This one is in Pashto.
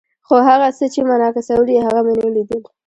خو هغه څه چې منعکسول یې، هغه مې نه لیدل.